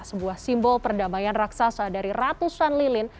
sebuah simbol perdamaian raksasa dari ratusan lilin